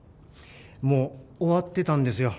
もう終わってたんですよ